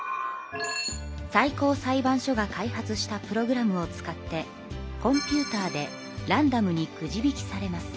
最高裁判所が開発したプログラムを使ってコンピューターでランダムにくじ引きされます。